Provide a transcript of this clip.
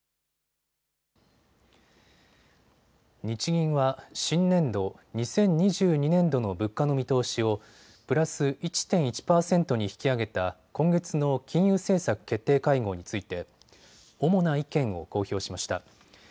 日銀は新年度２０２２年度の物価の見通しをプラス１．１％に引き上げた今月の金融政策決定会合について主な意見を公表しました。